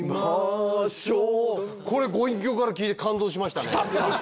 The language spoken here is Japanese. これご隠居から聞いて感動しましたね。